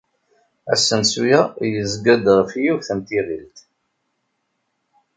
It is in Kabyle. Asensu-a yezga-d ɣef yiwet n tiɣilt.